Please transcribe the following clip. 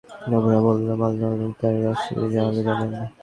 আমরা বললাম, আল্লাহ এবং তাঁর রাসূলই ভালো জানেন।